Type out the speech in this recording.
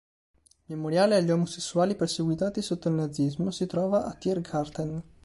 Il Memoriale agli omosessuali perseguitati sotto il nazismo si trova a Tiergarten.